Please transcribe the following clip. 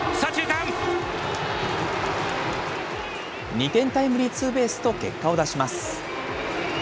２点タイムリーツーベースと、結果を出します。